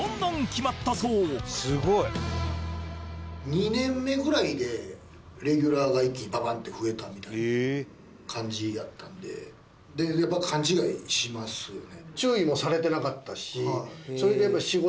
２年目ぐらいでレギュラーが一気にババッて増えたみたいな感じやったんで。ぐらいの感じでしたね。